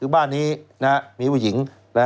คือบ้านนี้มีผู้หญิง